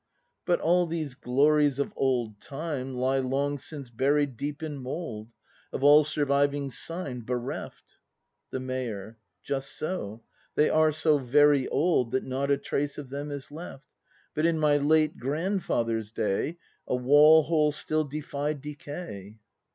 But all these glories of old time Lie long since buried deep in mould, Of all surviving sign bereft. The Mayor. Just so! They are so very old That not a trace of them is left. But in my late grandfather's day A wall hole still defied decay!